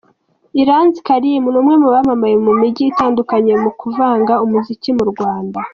Iranzi Karim ni umwe mu bamamaye mu mijyi itandukanye mu kuvanga umuziki mu Rwanda.